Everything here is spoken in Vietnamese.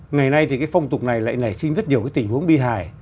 ngày nay thì cái phong tục này lại nảy sinh rất nhiều cái tình huống bi hài